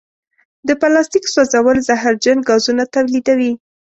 د پلاسټیک سوځول زهرجن ګازونه تولیدوي.